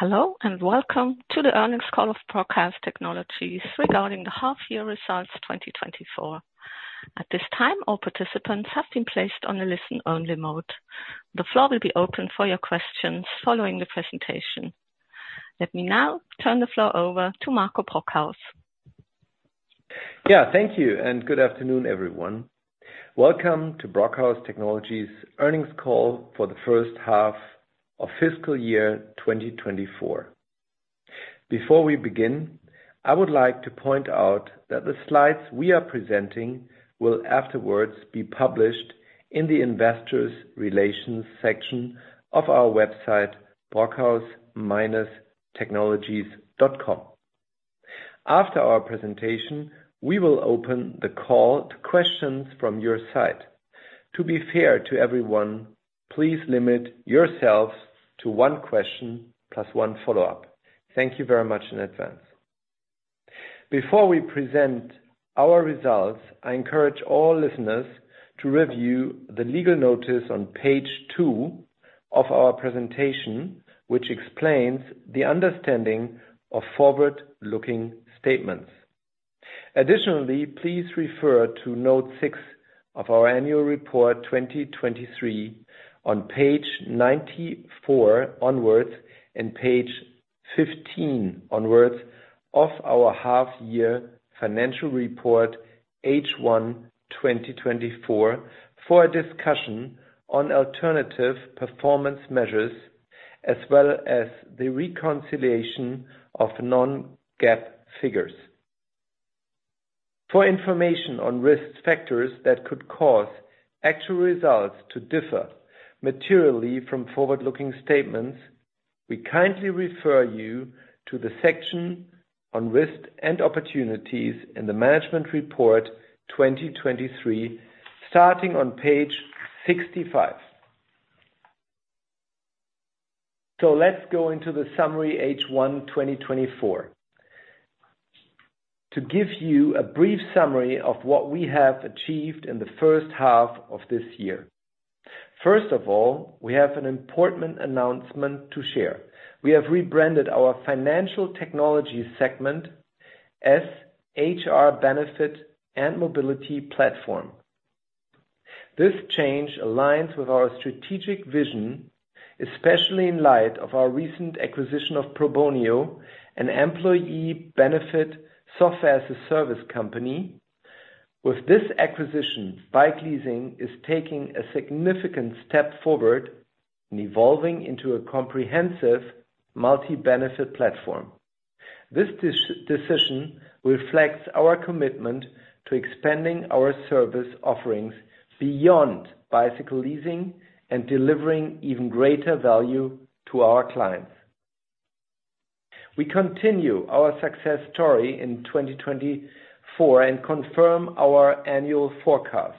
Hello, and welcome to the earnings call of Brockhaus Technologies regarding the half-year results 2024. At this time, all participants have been placed on a listen-only mode. The floor will be open for your questions following the presentation. Let me now turn the floor over to Marco Brockhaus. Yeah, thank you, and good afternoon, everyone. Welcome to Brockhaus Technologies' earnings call for the first half of fiscal year 2024. Before we begin, I would like to point out that the slides we are presenting will afterwards be published in the investors relations section of our website, brockhaus-technologies.com. After our presentation, we will open the call to questions from your side. To be fair to everyone, please limit yourselves to one question plus one follow-up. Thank you very much in advance. Before we present our results, I encourage all listeners to review the legal notice on page two of our presentation, which explains the understanding of forward-looking statements. Additionally, please refer to note 6 of our annual report 2023 on page 94 onwards, and page 15 onwards of our half-year financial report H1 2024, for a discussion on alternative performance measures, as well as the reconciliation of non-GAAP figures. For information on risk factors that could cause actual results to differ materially from forward-looking statements, we kindly refer you to the section on risk and opportunities in the management report 2023, starting on page 65. Let's go into the summary H1 2024. To give you a brief summary of what we have achieved in the first half of this year. First of all, we have an important announcement to share. We have rebranded our financial technology segment as HR Benefit and Mobility Platform. This change aligns with our strategic vision, especially in light of our recent acquisition of Probonio, an employee benefit software as a service company. With this acquisition, Bikeleasing is taking a significant step forward in evolving into a comprehensive multi-benefit platform. This decision reflects our commitment to expanding our service offerings beyond bicycle leasing and delivering even greater value to our clients. We continue our success story in 2024 and confirm our annual forecast.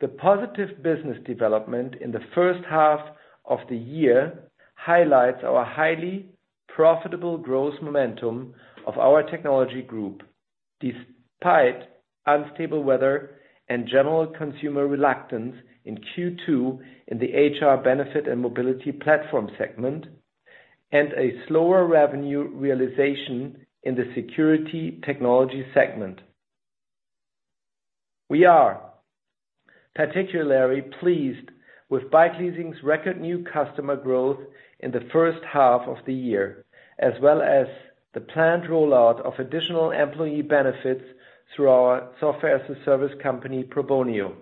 The positive business development in the first half of the year highlights our highly profitable growth momentum of our technology group, despite unstable weather and general consumer reluctance in Q2 in the HR benefit and mobility platform segment, and a slower revenue realization in the security technology segment. We are particularly pleased with Bikeleasing's record new customer growth in the first half of the year, as well as the planned rollout of additional employee benefits through our software as a service company, Probonio,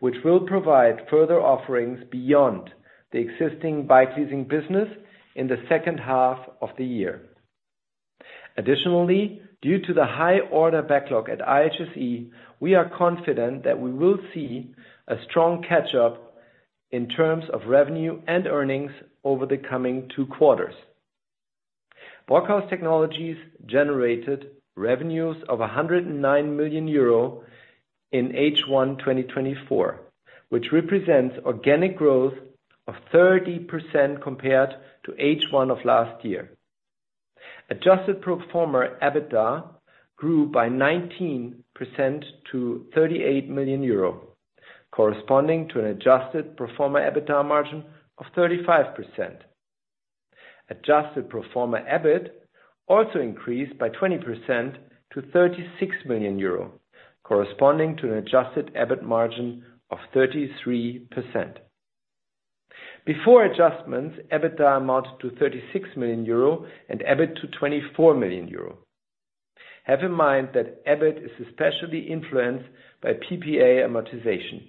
which will provide further offerings beyond the existing Bikeleasing business in the second half of the year. Additionally, due to the high order backlog at IHSE, we are confident that we will see a strong catch-up in terms of revenue and earnings over the coming two quarters. Brockhaus Technologies generated revenues of 109 million euro in H1 2024, which represents organic growth of 30% compared to H1 of last year. Adjusted pro forma EBITDA grew by 19% to 38 million euro, corresponding to an adjusted pro forma EBITDA margin of 35%. Adjusted pro forma EBIT also increased by 20% to 36 million euro, corresponding to an adjusted EBIT margin of 33%. Before adjustments, EBITDA amounted to 36 million euro and EBIT to 24 million euro. Have in mind that EBIT is especially influenced by PPA amortization.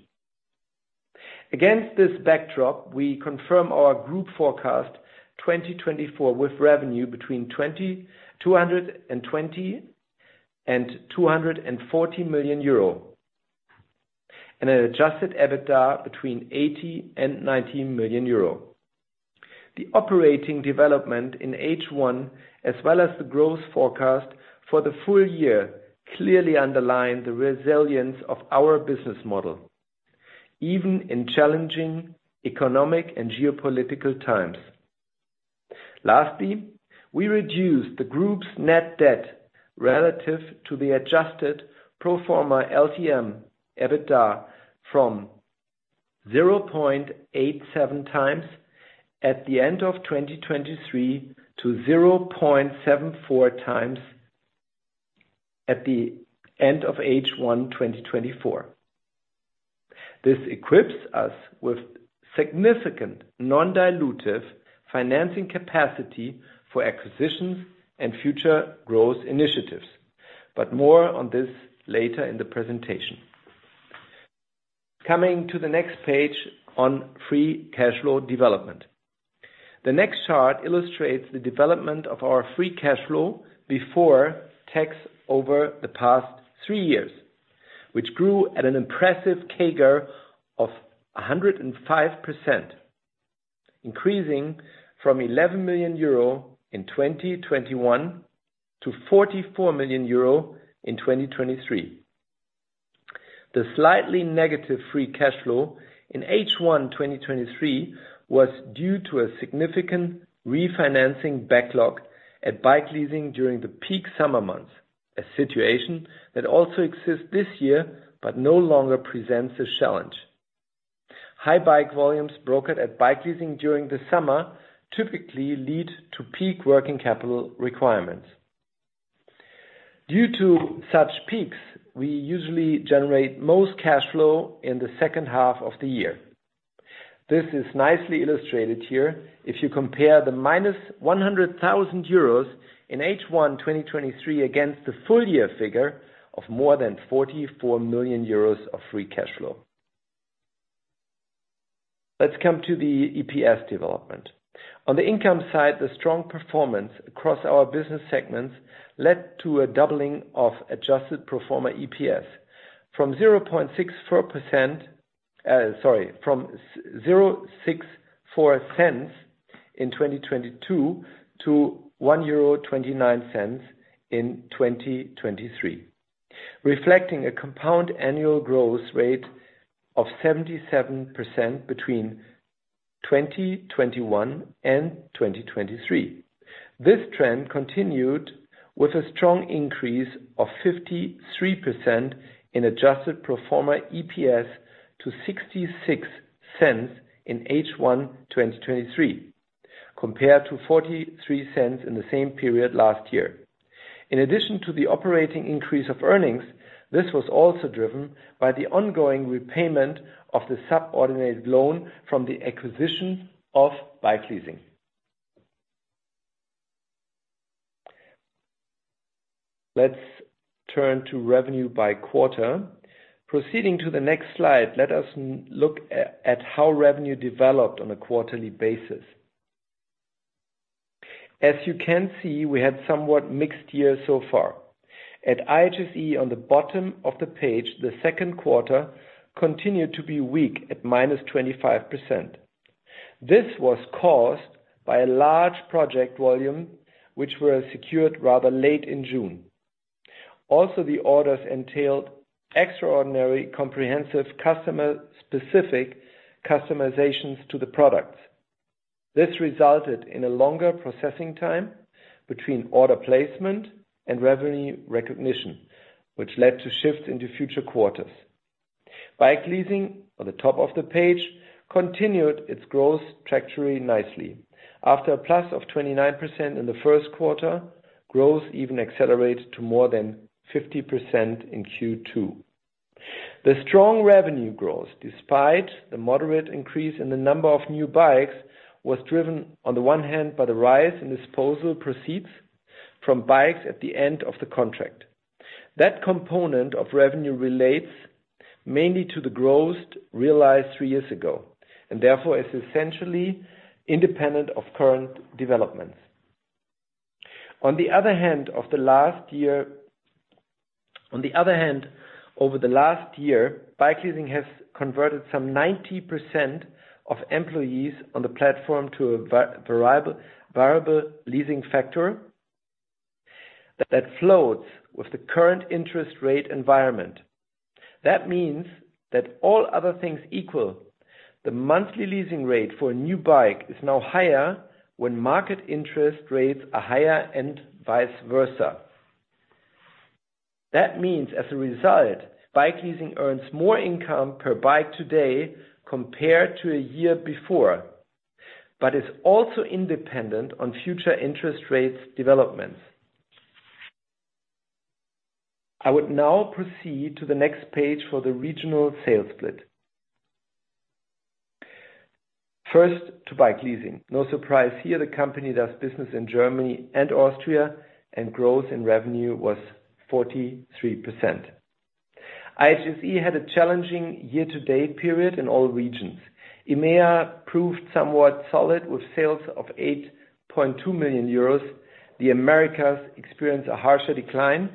Against this backdrop, we confirm our group forecast 2024 with revenue between 220 million and 240 million euro, and an adjusted EBITDA between 80 million and 90 million euro. The operating development in H1, as well as the growth forecast for the full year, clearly underline the resilience of our business model, even in challenging economic and geopolitical times. Lastly, we reduced the group's net debt relative to the adjusted pro forma LTM EBITDA from-... 0.87 times at the end of 2023 to 0.74 times at the end of H1 2024. This equips us with significant non-dilutive financing capacity for acquisitions and future growth initiatives, but more on this later in the presentation. Coming to the next page on free cash flow development. The next chart illustrates the development of our free cash flow before tax over the past three years, which grew at an impressive CAGR of 105%, increasing from 11 million euro in 2021 to 44 million euro in 2023. The slightly negative free cash flow in H1 2023 was due to a significant refinancing backlog at Bikeleasing during the peak summer months, a situation that also exists this year, but no longer presents a challenge. High bike volumes brokered at Bikeleasing during the summer typically lead to peak working capital requirements. Due to such peaks, we usually generate most cash flow in the second half of the year. This is nicely illustrated here if you compare the -100,000 euros in H1 2023, against the full year figure of more than 44 million euros of free cash flow. Let's come to the EPS development. On the income side, the strong performance across our business segments led to a doubling of adjusted pro forma EPS from 0.64 cents in 2022 to 1.29 euro in 2023, reflecting a compound annual growth rate of 77% between 2021 and 2023. This trend continued with a strong increase of 53% in adjusted pro forma EPS to 0.66 in H1 2023, compared to 0.43 in the same period last year. In addition to the operating increase of earnings, this was also driven by the ongoing repayment of the subordinated loan from the acquisition of Bikeleasing. Let's turn to revenue by quarter. Proceeding to the next slide, let us look at how revenue developed on a quarterly basis. As you can see, we had somewhat mixed year so far. At IHSE, on the bottom of the page, the second quarter continued to be weak at -25%. This was caused by a large project volume, which were secured rather late in June. Also, the orders entailed extraordinary comprehensive customer-specific customizations to the products. This resulted in a longer processing time between order placement and revenue recognition, which led to shifts into future quarters. Bikeleasing, on the top of the page, continued its growth trajectory nicely. After a plus of 29% in the first quarter, growth even accelerated to more than 50% in Q2. The strong revenue growth, despite the moderate increase in the number of new bikes, was driven, on the one hand, by the rise in disposal proceeds from bikes at the end of the contract. That component of revenue relates mainly to the growth realized three years ago, and therefore, is essentially independent of current developments. On the other hand, over the last year, Bikeleasing has converted some 90% of employees on the platform to a variable leasing factor that floats with the current interest rate environment. That means that all other things equal, the monthly leasing rate for a new bike is now higher when market interest rates are higher and vice versa. That means, as a result, Bikeleasing earns more income per bike today compared to a year before, but is also independent on future interest rates developments. I would now proceed to the next page for the regional sales split. First, to Bikeleasing. No surprise here, the company does business in Germany and Austria, and growth in revenue was 43%. IHSE had a challenging year-to-date period in all regions. EMEA proved somewhat solid, with sales of 8.2 million euros. The Americas experienced a harsher decline,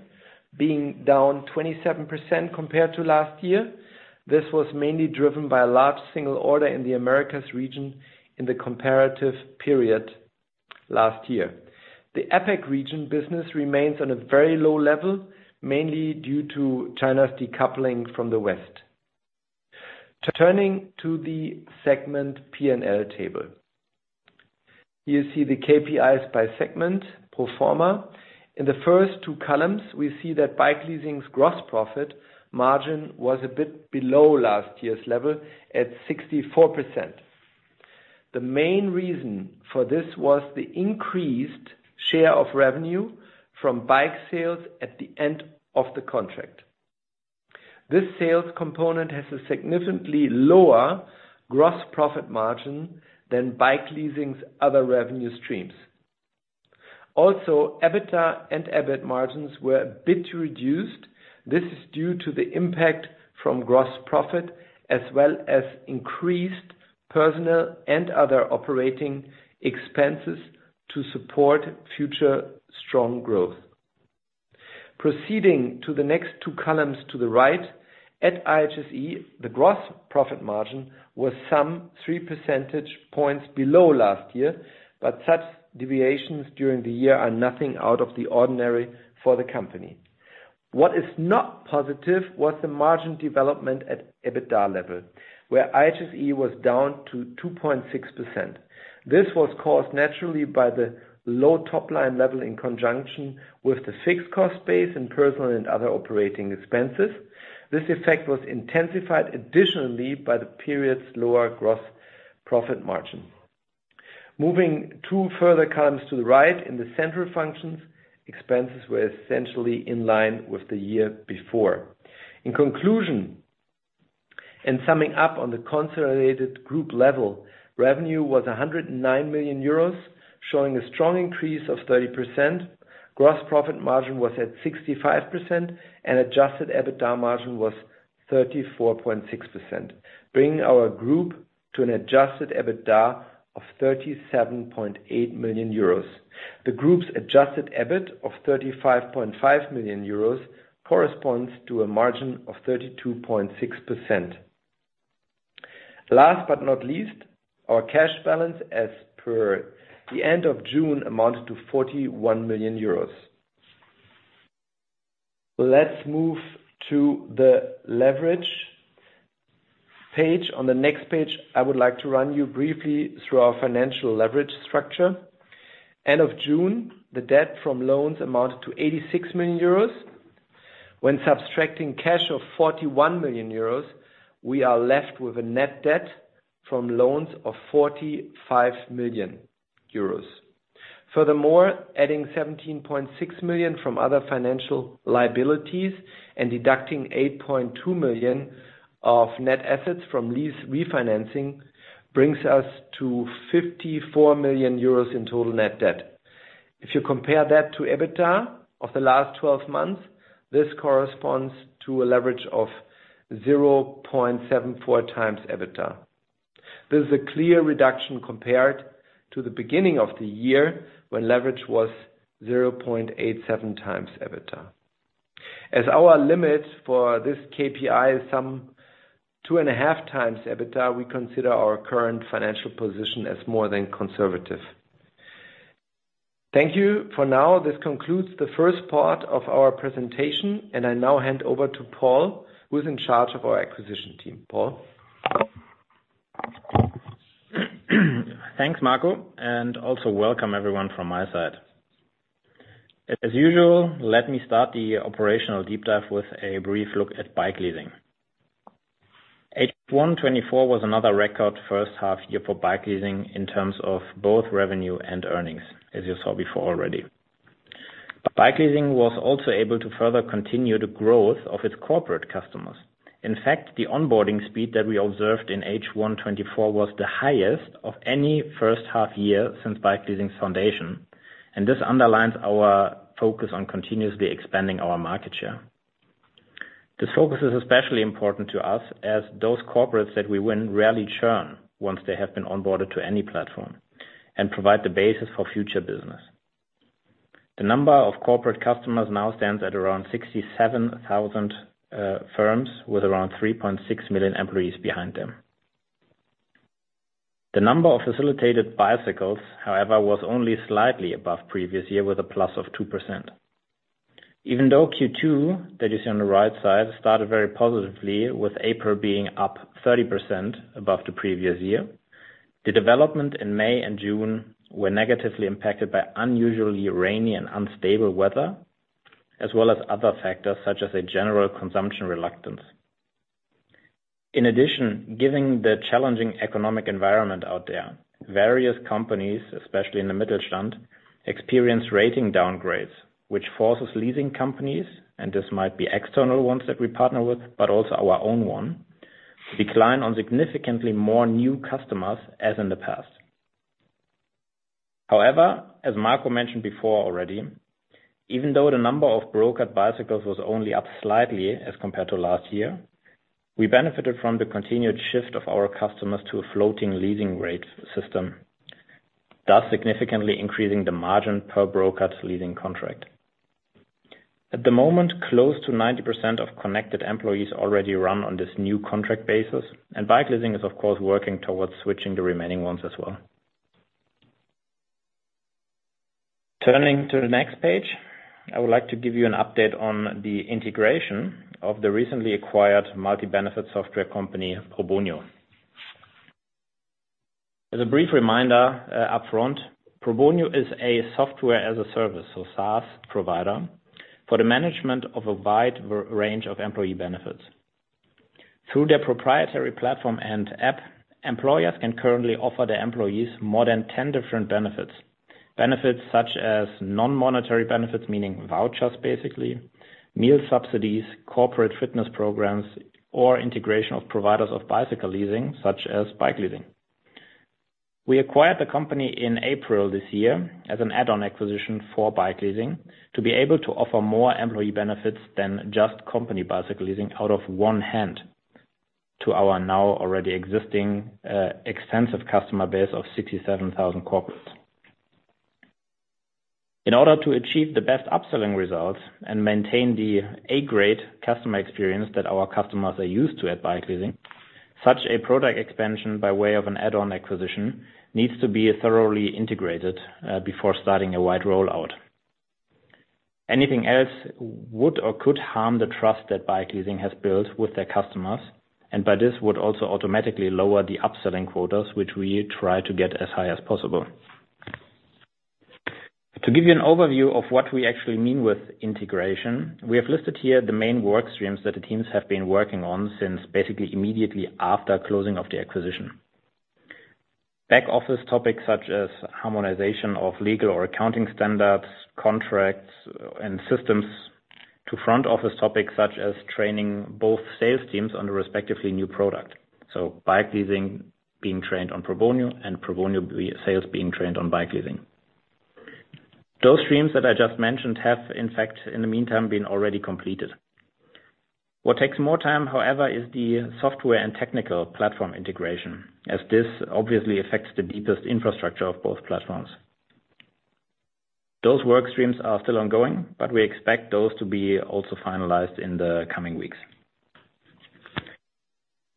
being down 27% compared to last year. This was mainly driven by a large single order in the Americas region in the comparative period last year. The APAC region business remains on a very low level, mainly due to China's decoupling from the West. Turning to the segment P&L table. You see the KPIs by segment pro forma. In the first two columns, we see that Bikeleasing's gross profit margin was a bit below last year's level at 64%. The main reason for this was the increased share of revenue from bike sales at the end of the contract. This sales component has a significantly lower gross profit margin than Bikeleasing's other revenue streams. Also, EBITDA and EBIT margins were a bit reduced. This is due to the impact from gross profit, as well as increased personnel and other operating expenses to support future strong growth. Proceeding to the next two columns to the right, at IHSE, the gross profit margin was some 3 percentage points below last year, but such deviations during the year are nothing out of the ordinary for the company. What is not positive was the margin development at EBITDA level, where IHSE was down to 2.6%. This was caused naturally by the low top line level in conjunction with the fixed cost base and personnel and other operating expenses. This effect was intensified additionally by the period's lower gross profit margin. Moving two further columns to the right, in the central functions, expenses were essentially in line with the year before. In conclusion, and summing up on the consolidated group level, revenue was 109 million euros, showing a strong increase of 30%. Gross profit margin was at 65%, and adjusted EBITDA margin was 34.6%, bringing our group to an adjusted EBITDA of 37.8 million euros. The group's adjusted EBIT of 35.5 million euros corresponds to a margin of 32.6%. Last but not least, our cash balance as per the end of June amounted to 41 million euros. Let's move to the leverage page. On the next page, I would like to run you briefly through our financial leverage structure. End of June, the debt from loans amounted to 86 million euros. When subtracting cash of 41 million euros, we are left with a net debt from loans of 45 million euros. Furthermore, adding 17.6 million from other financial liabilities and deducting 8.2 million of net assets from lease refinancing, brings us to 54 million euros in total net debt. If you compare that to EBITDA of the last twelve months, this corresponds to a leverage of 0.74x EBITDA. This is a clear reduction compared to the beginning of the year, when leverage was 0.87x EBITDA. As our limits for this KPI is some 2.5x EBITDA, we consider our current financial position as more than conservative. Thank you for now. This concludes the first part of our presentation, and I now hand over to Paul, who's in charge of our acquisition team. Paul? Thanks, Marco, and also welcome everyone from my side. As usual, let me start the operational deep dive with a brief look at Bikeleasing. H1 2024 was another record first half year for Bikeleasing in terms of both revenue and earnings, as you saw before already. Bikeleasing was also able to further continue the growth of its corporate customers. In fact, the onboarding speed that we observed in H1 2024 was the highest of any first half year since Bikeleasing's foundation, and this underlines our focus on continuously expanding our market share. This focus is especially important to us, as those corporates that we win rarely churn once they have been onboarded to any platform, and provide the basis for future business. The number of corporate customers now stands at around 67,000 firms, with around 3.6 million employees behind them. The number of facilitated bicycles, however, was only slightly above previous year, with a plus of 2%. Even though Q2, that you see on the right side, started very positively, with April being up 30% above the previous year, the development in May and June were negatively impacted by unusually rainy and unstable weather, as well as other factors, such as a general consumption reluctance. In addition, given the challenging economic environment out there, various companies, especially in the Mittelstand, experience rating downgrades, which forces leasing companies, and this might be external ones that we partner with, but also our own one, decline on significantly more new customers as in the past. However, as Marco mentioned before already, even though the number of brokered bicycles was only up slightly as compared to last year, we benefited from the continued shift of our customers to a floating leasing rate system, thus significantly increasing the margin per brokered leasing contract. At the moment, close to 90% of connected employees already run on this new contract basis, and Bikeleasing is, of course, working towards switching the remaining ones as well. Turning to the next page, I would like to give you an update on the integration of the recently acquired multi-benefit software company, Probonio. As a brief reminder, upfront, Probonio is a software as a service, so SaaS provider, for the management of a wide range of employee benefits. Through their proprietary platform and app, employers can currently offer their employees more than 10 different benefits. Benefits such as non-monetary benefits, meaning vouchers basically, meal subsidies, corporate fitness programs, or integration of providers of bicycle leasing, such as Bikeleasing. We acquired the company in April this year as an add-on acquisition for Bikeleasing, to be able to offer more employee benefits than just company bicycle leasing out of one hand, to our now already existing, extensive customer base of 67,000 corporates. In order to achieve the best upselling results and maintain the A-grade customer experience that our customers are used to at Bikeleasing, such a product expansion by way of an add-on acquisition, needs to be thoroughly integrated, before starting a wide rollout. Anything else would or could harm the trust that Bikeleasing has built with their customers, and by this would also automatically lower the upselling quotas, which we try to get as high as possible. To give you an overview of what we actually mean with integration, we have listed here the main work streams that the teams have been working on since basically immediately after closing of the acquisition. Back office topics, such as harmonization of legal or accounting standards, contracts, and systems to front office topics, such as training both sales teams on the respectively new product. So Bikeleasing being trained on Probonio and Probonio's sales being trained on Bikeleasing. Those streams that I just mentioned have, in fact, in the meantime, been already completed. What takes more time, however, is the software and technical platform integration, as this obviously affects the deepest infrastructure of both platforms. Those work streams are still ongoing, but we expect those to be also finalized in the coming weeks.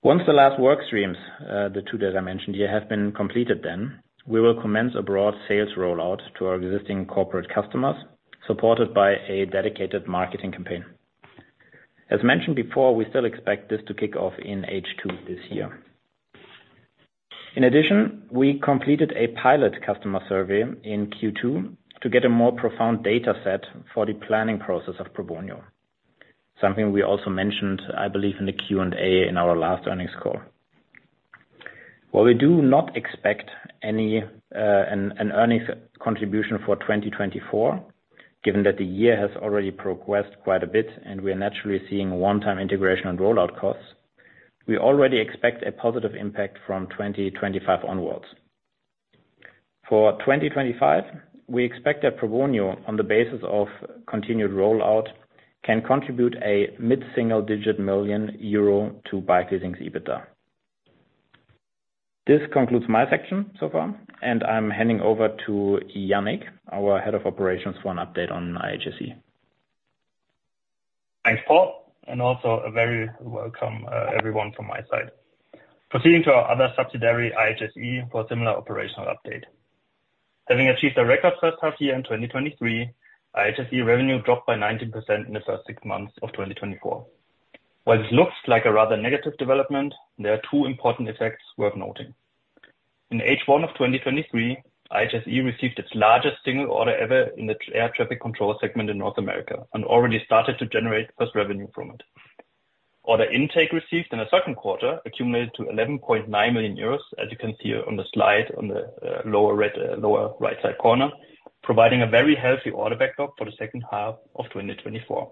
Once the last work streams, the two that I mentioned here, have been completed then, we will commence a broad sales rollout to our existing corporate customers, supported by a dedicated marketing campaign. As mentioned before, we still expect this to kick off in H2 this year. In addition, we completed a pilot customer survey in Q2 to get a more profound data set for the planning process of Probonio. Something we also mentioned, I believe, in the Q&A in our last earnings call. While we do not expect any earnings contribution for 2024, given that the year has already progressed quite a bit, and we are naturally seeing one-time integration and rollout costs, we already expect a positive impact from 2025 onwards. For 2025, we expect that Probonio, on the basis of continued rollout, can contribute a mid-single-digit million EUR to Bikeleasing's EBITDA. This concludes my section so far, and I'm handing over to Yannick, our Head of Operations, for an update on IHSE. Thanks, Paul, and also a very welcome, everyone from my side. Proceeding to our other subsidiary, IHSE, for a similar operational update. Having achieved a record first half year in 2023, IHSE revenue dropped by 19% in the first six months of 2024. While this looks like a rather negative development, there are two important effects worth noting. In H1 of 2023, IHSE received its largest single order ever in the air traffic control segment in North America, and already started to generate first revenue from it. Order intake received in the second quarter accumulated to 11.9 million euros, as you can see on the slide on the lower right side corner, providing a very healthy order backlog for the second half of 2024.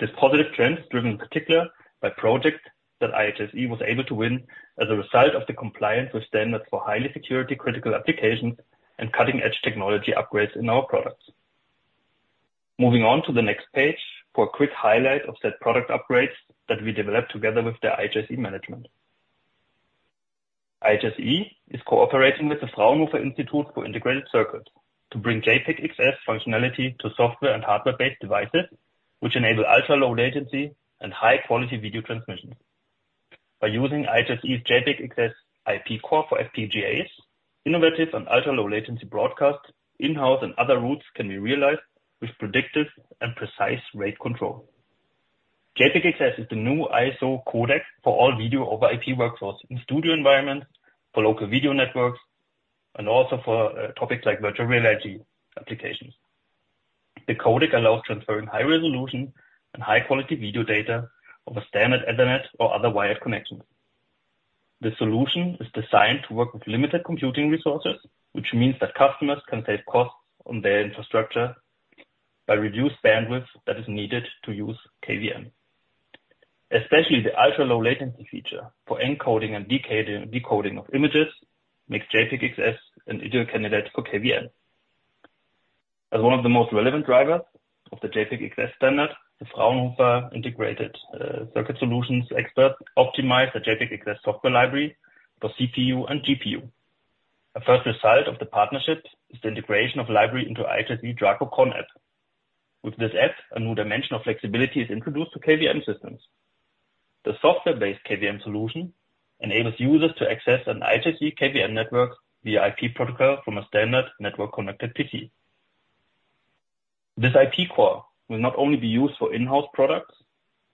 This positive trend is driven in particular by projects that IHSE was able to win as a result of the compliance with standards for highly security-critical applications and cutting-edge technology upgrades in our products. Moving on to the next page for a quick highlight of said product upgrades that we developed together with the IHSE management. IHSE is cooperating with the Fraunhofer Institute for Integrated Circuits to bring JPEG XS functionality to software and hardware-based devices, which enable ultra-low latency and high-quality video transmission. By using IHSE's JPEG XS IP core for FPGAs, innovative and ultra-low latency broadcast, in-house and other routes can be realized with predictive and precise rate control. JPEG XS is the new ISO codec for all video over IP workflows in studio environments, for local video networks, and also for topics like virtual reality applications. The codec allows transferring high resolution and high-quality video data over standard Ethernet or other wired connections. The solution is designed to work with limited computing resources, which means that customers can save costs on their infrastructure by reduced bandwidth that is needed to use KVM. Especially the ultra-low latency feature for encoding and decoding of images makes JPEG XS an ideal candidate for KVM. As one of the most relevant drivers of the JPEG XS standard, the Fraunhofer integrated circuit solutions expert optimized the JPEG XS software library for CPU and GPU. A first result of the partnership is the integration of library into IHSE Draco CON App. With this app, a new dimension of flexibility is introduced to KVM systems... The software-based KVM solution enables users to access an IHSE KVM network via IP protocol from a standard network connected PC. This IP core will not only be used for in-house products,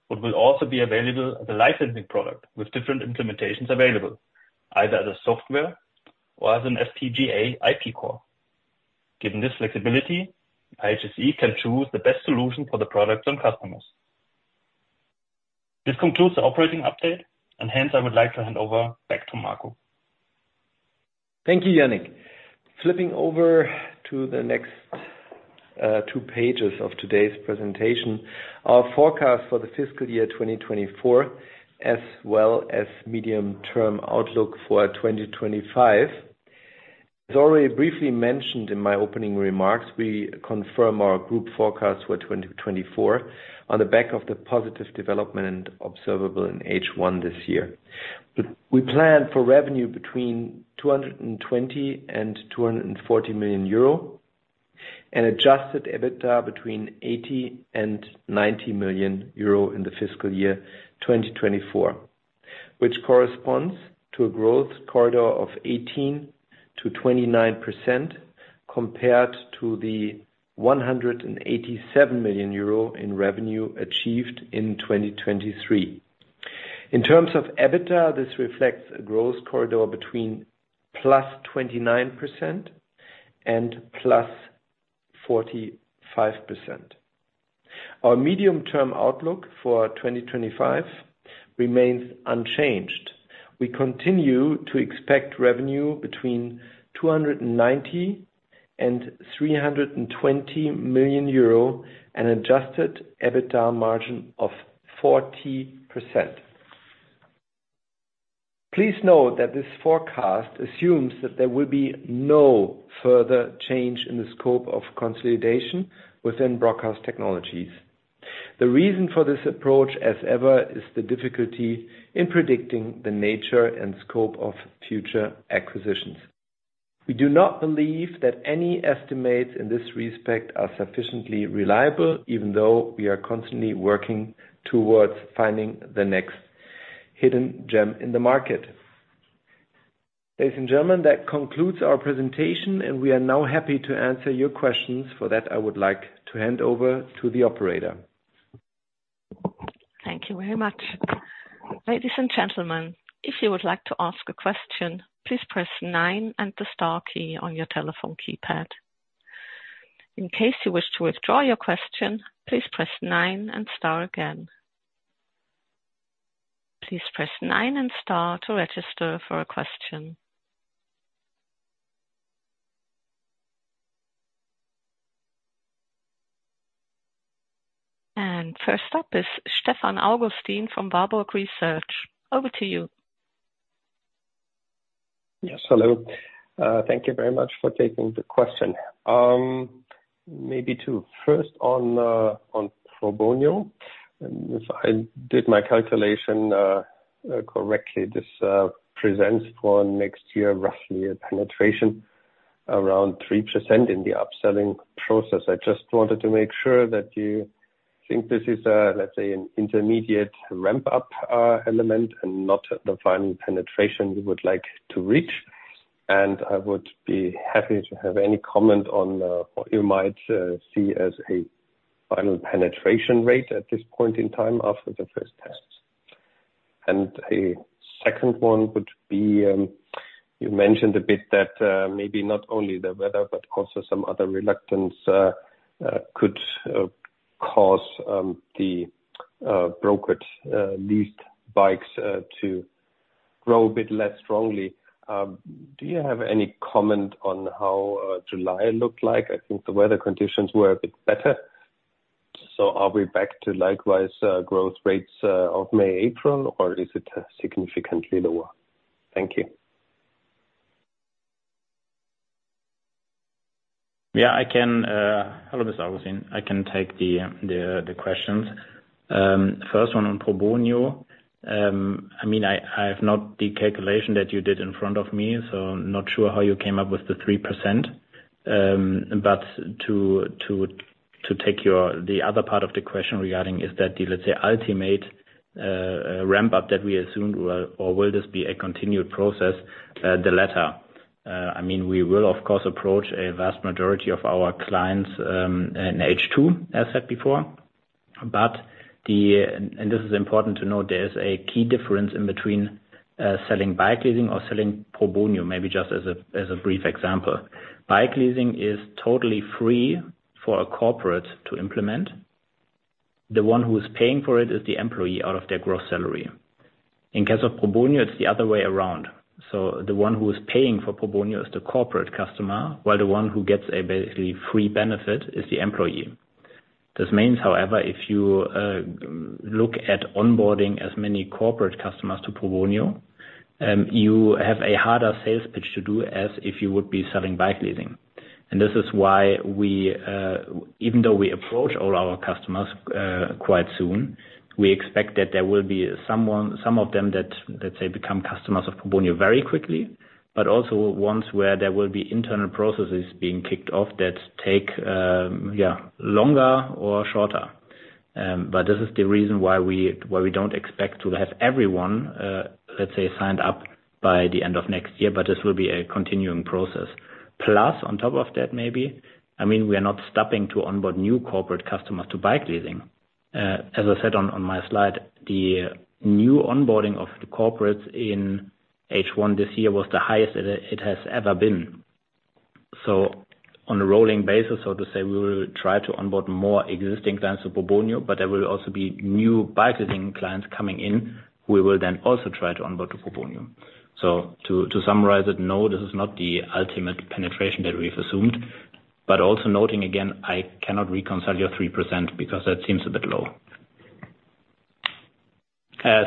but will also be available as a licensing product with different implementations available, either as a software or as an FPGA IP core. Given this flexibility, IHSE can choose the best solution for the products and customers. This concludes the operating update, and hence I would like to hand over back to Marco. Thank you, Yannick. Flipping over to the next two pages of today's presentation, our forecast for the fiscal year 2024, as well as medium-term outlook for 2025. As already briefly mentioned in my opening remarks, we confirm our group forecast for 2024 on the back of the positive development observable in H1 this year. We plan for revenue between 220 million and 240 million euro, and adjusted EBITDA between 80 million and 90 million euro in the fiscal year 2024, which corresponds to a growth corridor of 18%-29% compared to the 187 million euro in revenue achieved in 2023. In terms of EBITDA, this reflects a growth corridor between +29% and +45%. Our medium-term outlook for 2025 remains unchanged. We continue to expect revenue between 290 million and 320 million euro, an adjusted EBITDA margin of 40%. Please note that this forecast assumes that there will be no further change in the scope of consolidation within Brockhaus Technologies. The reason for this approach, as ever, is the difficulty in predicting the nature and scope of future acquisitions. We do not believe that any estimates in this respect are sufficiently reliable, even though we are constantly working towards finding the next hidden gem in the market. Ladies and gentlemen, that concludes our presentation, and we are now happy to answer your questions. For that, I would like to hand over to the operator. Thank you very much. Ladies and gentlemen, if you would like to ask a question, please press nine and the star key on your telephone keypad. In case you wish to withdraw your question, please press nine and star again. Please press nine and star to register for a question. And first up is Stefan Augustin from Warburg Research. Over to you. Yes, hello. Thank you very much for taking the question. Maybe two. First on Probonio, and if I did my calculation correctly, this presents for next year roughly a penetration around 3% in the upselling process. I just wanted to make sure that you think this is, let's say, an intermediate ramp-up element, and not the final penetration you would like to reach. I would be happy to have any comment on what you might see as a final penetration rate at this point in time after the first test. A second one would be, you mentioned a bit that maybe not only the weather, but also some other reluctance could cause the brokerage leased bikes to grow a bit less strongly. Do you have any comment on how July looked like? I think the weather conditions were a bit better. So are we back to likewise growth rates of May, April, or is it significantly lower? Thank you. Yeah, I can. Hello, Mr. Augustin. I can take the questions. First one on Probonio. I mean, I have not the calculation that you did in front of me, so not sure how you came up with the 3%. But to take your, the other part of the question regarding, is that the, let's say, ultimate ramp-up that we assumed, or will this be a continued process? The latter. I mean, we will, of course, approach a vast majority of our clients, in H2, as said before, but the, and this is important to note, there is a key difference in between, selling Bikeleasing or selling Probonio. Maybe just as a brief example, Bikeleasing is totally free for a corporate to implement. The one who is paying for it is the employee out of their gross salary. In case of Probonio, it's the other way around. So the one who is paying for Probonio is the corporate customer, while the one who gets a basically free benefit is the employee. This means, however, if you look at onboarding as many corporate customers to Probonio, you have a harder sales pitch to do, as if you would be selling Bikeleasing. And this is why we, even though we approach all our customers quite soon, we expect that there will be someone, some of them that, let's say, become customers of Probonio very quickly, but also ones where there will be internal processes being kicked off that take longer or shorter.... but this is the reason why we, why we don't expect to have everyone, let's say, signed up by the end of next year, but this will be a continuing process. Plus, on top of that, maybe, I mean, we are not stopping to onboard new corporate customers to Bikeleasing. As I said on my slide, the new onboarding of the corporates in H1 this year was the highest it has ever been. So on a rolling basis, so to say, we will try to onboard more existing clients to Probonio, but there will also be new Bikeleasing clients coming in, we will then also try to onboard to Probonio. So to summarize it, no, this is not the ultimate penetration that we've assumed, but also noting, again, I cannot reconcile your 3% because that seems a bit low.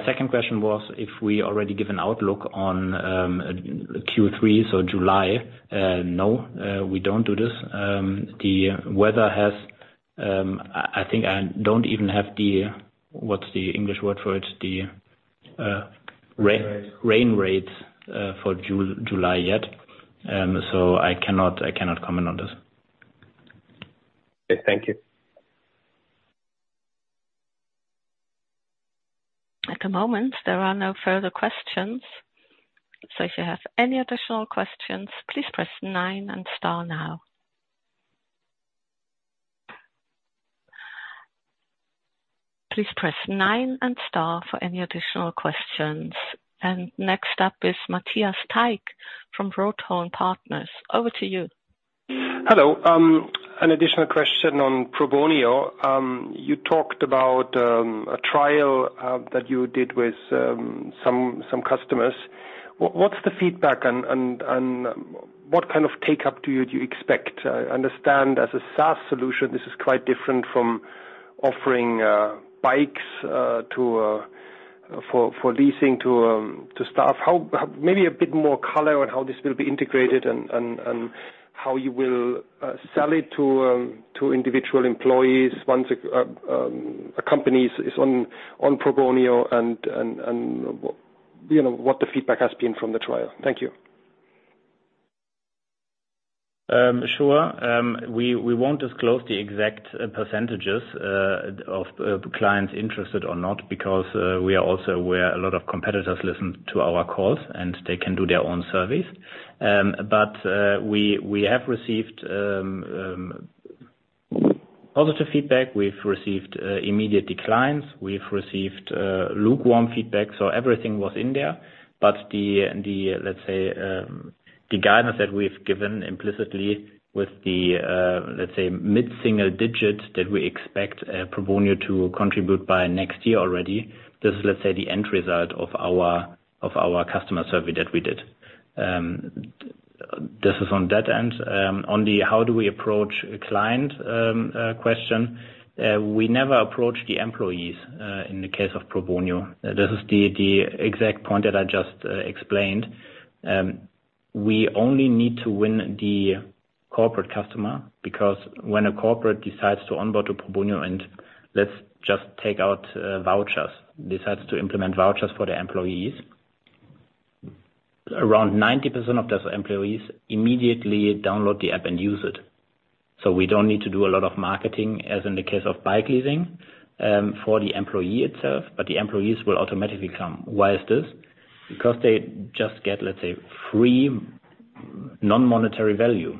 Second question was if we already give an outlook on Q3, so July? No, we don't do this. The weather has... I think I don't even have the, what's the English word for it? The, Rain rates. Rain rates for July yet, so I cannot, I cannot comment on this. Thank you. At the moment, there are no further questions. If you have any additional questions, please press nine and star now. Please press nine and star for any additional questions. Next up is Matthias Teich from Rothon Partners. Over to you. Hello. An additional question on Probonio. You talked about a trial that you did with some customers. What's the feedback and what kind of take-up do you expect? I understand as a SaaS solution, this is quite different from offering bikes to for leasing to staff. How? Maybe a bit more color on how this will be integrated and how you will sell it to individual employees once a company is on Probonio and you know, what the feedback has been from the trial. Thank you. Sure. We won't disclose the exact percentages of clients interested or not, because we are also aware a lot of competitors listen to our calls, and they can do their own surveys. But we have received positive feedback. We've received immediate declines. We've received lukewarm feedback, so everything was in there. But the guidance that we've given implicitly with the, let's say, mid-single digits, that we expect Probonio to contribute by next year already, this is the end result of our customer survey that we did. This is on that end. On the how do we approach a client question, we never approach the employees in the case of Probonio. This is the exact point that I just explained. We only need to win the corporate customer, because when a corporate decides to onboard to Probonio and let's just take out vouchers decides to implement vouchers for their employees, around 90% of those employees immediately download the app and use it. So we don't need to do a lot of marketing, as in the case of Bikeleasing, for the employee itself, but the employees will automatically come. Why is this? Because they just get, let's say, free non-monetary value.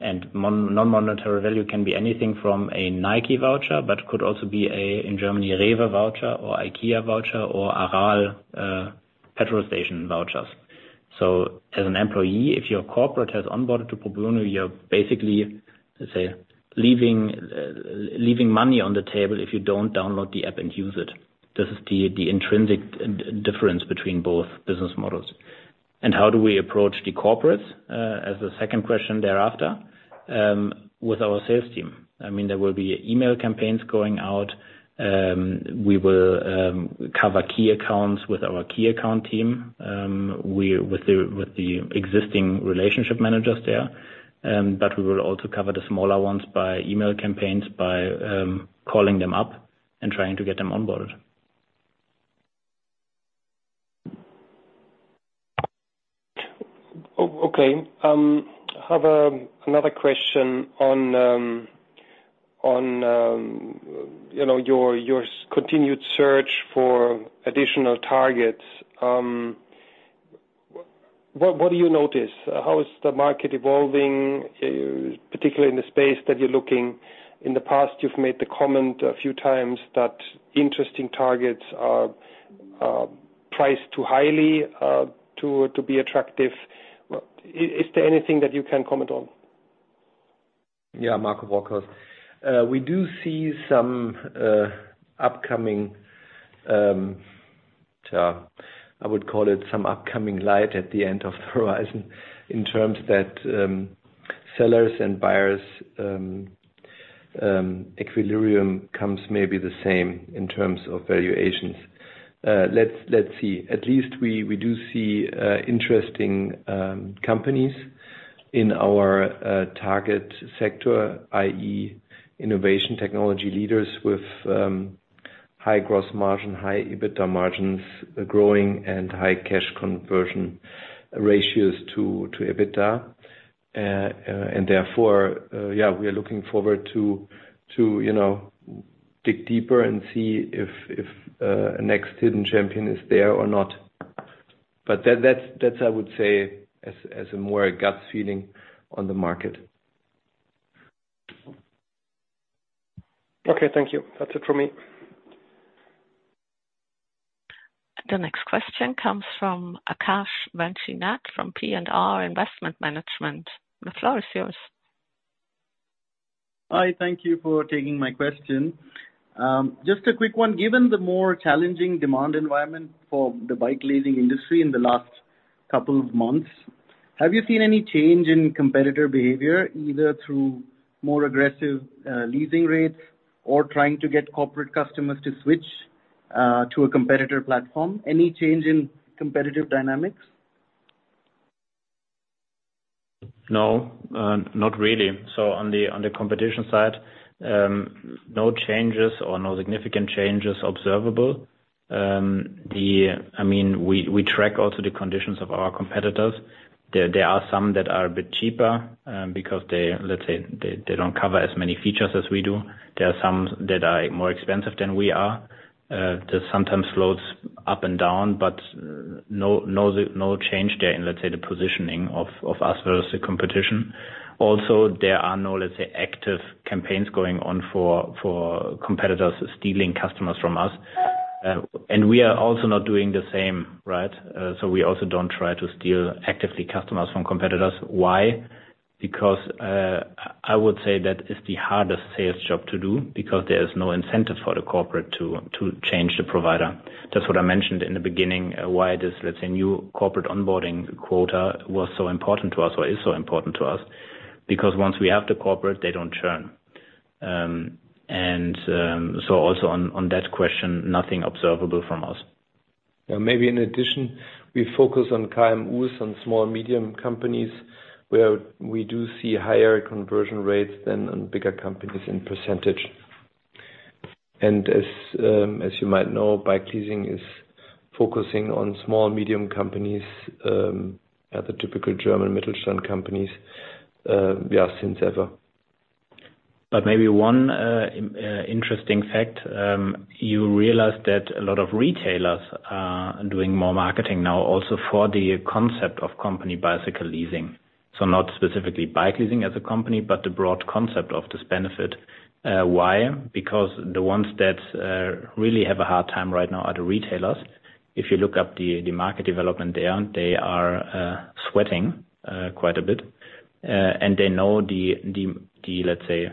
And non-monetary value can be anything from a Nike voucher, but could also be a, in Germany, REWE voucher or IKEA voucher or Aral petrol station vouchers. So as an employee, if your corporate has onboarded to Probonio, you're basically, let's say, leaving money on the table if you don't download the app and use it. This is the intrinsic difference between both business models. And how do we approach the corporates as the second question thereafter? With our sales team. I mean, there will be email campaigns going out. We will cover key accounts with our key account team, with the existing relationship managers there. But we will also cover the smaller ones by email campaigns, by calling them up and trying to get them onboarded. Okay. I have another question on, you know, your continued search for additional targets. What do you notice? How is the market evolving, particularly in the space that you're looking? In the past, you've made the comment a few times that interesting targets are priced too highly to be attractive. Is there anything that you can comment on? Yeah, Marco Brockhaus. We do see some upcoming, I would call it some upcoming light at the end of the horizon in terms that, sellers and buyers, equilibrium comes maybe the same in terms of valuations. Let's, let's see. At least we, we do see, interesting companies in our, target sector, i.e., innovation technology leaders with,... high gross margin, high EBITDA margins, growing and high cash conversion ratios to EBITDA. Therefore, yeah, we are looking forward to you know dig deeper and see if a next hidden champion is there or not. But that's, I would say, as a more gut feeling on the market. Okay, thank you. That's it for me. The next question comes from Akash Vanchi Nath from P&R Investment Management. The floor is yours. Hi, thank you for taking my question. Just a quick one. Given the more challenging demand environment for the Bikeleasing industry in the last couple of months, have you seen any change in competitor behavior, either through more aggressive leasing rates or trying to get corporate customers to switch to a competitor platform? Any change in competitive dynamics? No, not really. So on the competition side, no changes or no significant changes observable. I mean, we track also the conditions of our competitors. There are some that are a bit cheaper, because they, let's say, they don't cover as many features as we do. There are some that are more expensive than we are. This sometimes floats up and down, but no change there in, let's say, the positioning of us versus the competition. Also, there are no, let's say, active campaigns going on for competitors stealing customers from us. And we are also not doing the same, right? So we also don't try to steal, actively, customers from competitors. Why? Because I would say that is the hardest sales job to do, because there is no incentive for the corporate to change the provider. That's what I mentioned in the beginning, why this, let's say, new corporate onboarding quota was so important to us or is so important to us. Because once we have the corporate, they don't churn. And so also on that question, nothing observable from us. Yeah, maybe in addition, we focus on KMUs, on small-medium companies, where we do see higher conversion rates than on bigger companies in percentage. And as you might know, Bikeleasing is focusing on small-medium companies, yeah, the typical German Mittelstand companies, we are since ever. But maybe one interesting fact, you realize that a lot of retailers are doing more marketing now also for the concept of company bicycle leasing. So not specifically Bikeleasing as a company, but the broad concept of this benefit. Why? Because the ones that really have a hard time right now are the retailers. If you look up the market development there, they are sweating quite a bit. And they know the, let's say,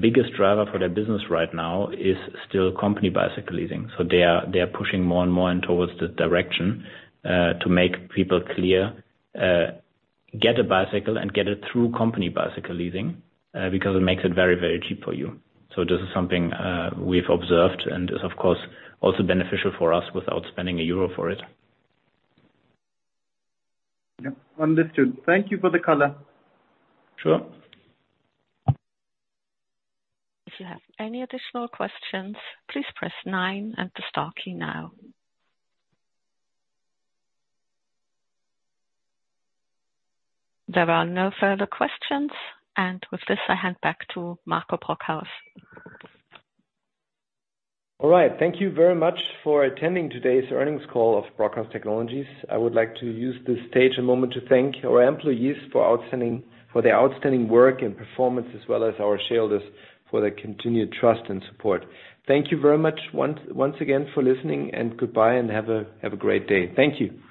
biggest driver for their business right now is still company bicycle leasing. So they are pushing more and more in towards the direction to make people clear get a bicycle and get it through company bicycle leasing, because it makes it very, very cheap for you. So this is something we've observed and is, of course, also beneficial for us without spending a euro for it. Yep. Understood. Thank you for the color. Sure. If you have any additional questions, please press nine and the star key now. There are no further questions, and with this, I hand back to Marco Brockhaus. All right. Thank you very much for attending today's earnings call of Brockhaus Technologies. I would like to use this stage a moment to thank our employees for their outstanding work and performance, as well as our shareholders for their continued trust and support. Thank you very much once again for listening, and goodbye, and have a great day. Thank you.